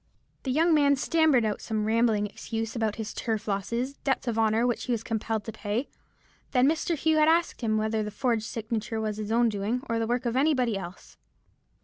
"The young man stammered out some rambling excuse about his turf losses, debts of honour which he was compelled to pay. Then Mr. Hugh asked him whether the forged signature was his own doing, or the work of any body else.